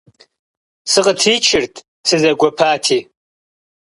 Сыкъытричырт, сызэгуэпати.